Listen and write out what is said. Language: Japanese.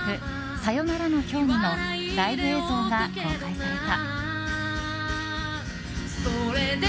「さよならの今日に」のライブ映像が公開された。